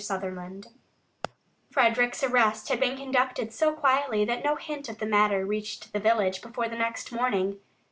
SUTHERLAND Frederick's arrest had been conducted so quietly that no hint of the matter reached the village before the next morning.